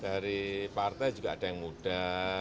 dari partai juga ada yang muda